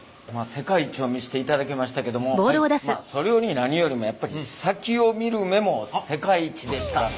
世界一を見していただきましたけどもまあそれより何よりもやっぱり先を見る目も世界一でした。